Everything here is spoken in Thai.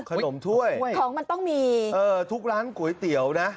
ถ้วยของมันต้องมีเออทุกร้านก๋วยเตี๋ยวนะ